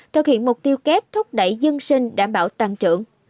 thực hiện mục tiêu kép thúc đẩy dân sinh đảm bảo tăng trưởng